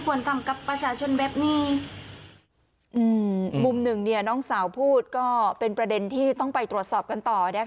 ควรทำกับประชาชนแบบนี้อืมมุมหนึ่งเนี่ยน้องสาวพูดก็เป็นประเด็นที่ต้องไปตรวจสอบกันต่อนะคะ